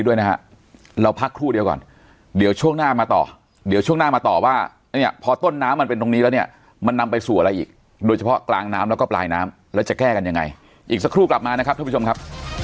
เดี๋ยวช่วงหน้ามาต่อว่าเนี่ยพอต้นน้ำมันเป็นตรงนี้แล้วเนี่ยมันนำไปสู่อะไรอีกโดยเฉพาะกลางน้ำแล้วก็ปลายน้ำแล้วจะแก้กันยังไงอีกสักครู่กลับมานะครับช่องครับ